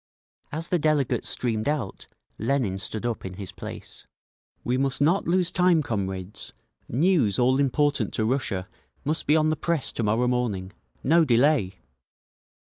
As the delegates streamed out, Lenin stood up in his place. "We must not lose time, comrades! News all important to Russia must be on the press to morrow morning. No delay!"